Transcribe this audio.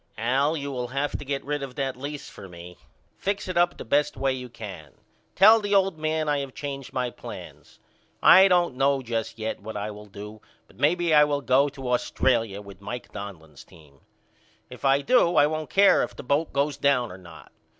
Al you will have to get rid of that lease for me. Fix it up the best way you can. Tell the old man I have changed my plans. I don't know just yet what I will do but maybe I will go to Australia with Mike Donlin's team. If I do I won't care if the boat goes down or not.